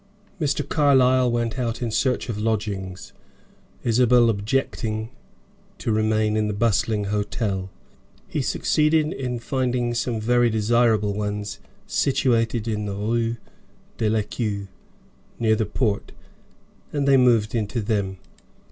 Mr. Carlyle went out in search of lodgings, Isabel objecting to remain in the bustling hotel. He succeeded in finding some very desirable ones, situated in the Rue de l'Ecu, near the port, and they moved into them.